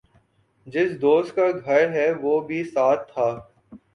جس دوست کا گھر ہےوہ بھی ساتھ تھا ۔